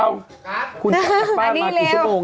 อันนี้เร็ว